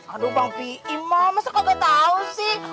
aduh bang pi'i mas kok gak tau sih